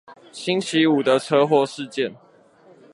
星期五的車禍事件